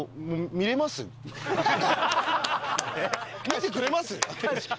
見てくれます？